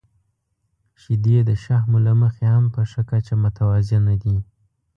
• شیدې د شحمو له مخې هم په ښه کچه متوازنه دي.